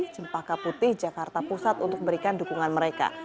cempaka putih jakarta pusat untuk memberikan dukungan mereka